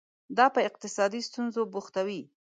دا په اقتصادي ستونزو بوختوي.